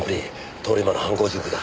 通り魔の犯行時刻だ。